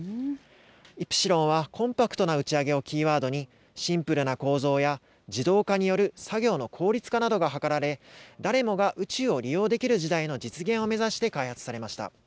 イプシロンは、コンパクトな打ち上げをキーワードに、シンプルな構造や、自動化による作業の効率化などが図られ、誰もが宇宙を利用できる時代の実現を目指して開発されました。